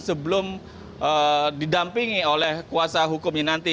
sebelum didampingi oleh kuasa hukumnya nanti